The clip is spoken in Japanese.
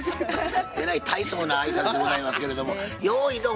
えらい大層な挨拶でございますけれども「よーいドン」